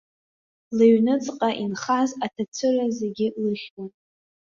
Лыҩныҵҟа инхаз аҭацәыра зегьы лыхьуан.